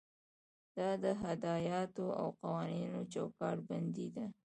دا د هدایاتو او قوانینو چوکاټ بندي ده.